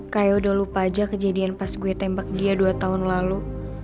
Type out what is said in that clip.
kayak udah lupa aja kejadian pas gue tembak dia dua tahun lalu